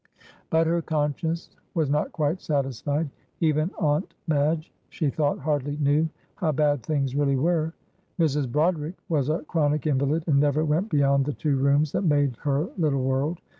But her conscience was not quite satisfied. Even Aunt Madge, she thought, hardly knew how bad things really were. Mrs. Broderick was a chronic invalid, and never went beyond the two rooms that made her little world.